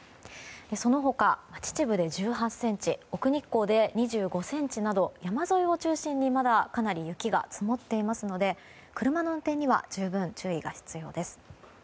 その他、秩父で１８ｃｍ奥日光で２５ｃｍなど山沿いを中心に、まだかなり雪が積もっていますので車の運転には十分注意が必要です。